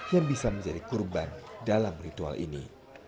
yang bisa menjadi kurban dalam ritual ini